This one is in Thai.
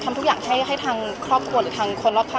สูงคิดก็ครอยมากผม